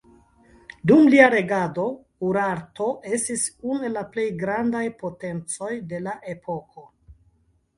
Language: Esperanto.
Dum lia regado, Urarto estis unu el la grandaj potencoj de la epoko.